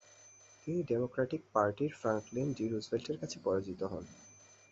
তিনি ডেমোক্র্যাটিক পার্টির Franklin D. রুজভেল্টের কাছে পরাজিত হন।